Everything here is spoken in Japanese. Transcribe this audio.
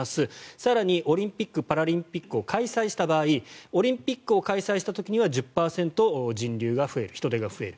更に、オリンピック・パラリンピックを開催した場合オリンピックを開催した時には１０％、人流、人出が増える。